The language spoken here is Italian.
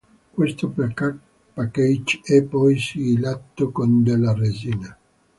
Questo package è poi sigillato con della resina.